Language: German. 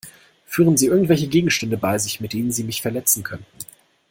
Führen Sie irgendwelche Gegenstände bei sich, mit denen Sie mich verletzen könnten?